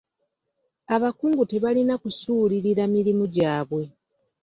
Abakungu tebalina kusuulirira mirimu gyabwe.